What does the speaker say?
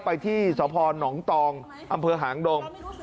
ไปที่สพนตองอำเภอหางดง